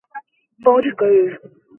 Pão de queijo